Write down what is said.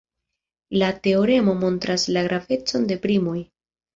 La teoremo montras la gravecon de primoj.